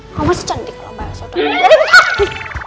kok masih cantik kalau mbak elsa udah